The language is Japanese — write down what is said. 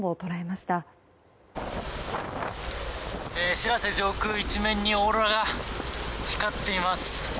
「しらせ」の上空一面にオーロラが光っています。